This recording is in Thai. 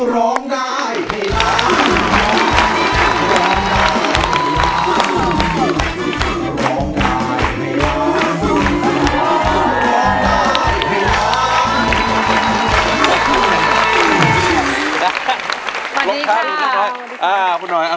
วันนี้ค่ะ